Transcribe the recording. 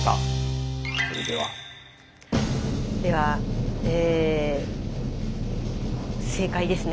ではえ正解ですね？